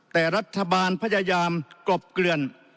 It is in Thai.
แต่รัฐบาลพยายามกลบเกลือน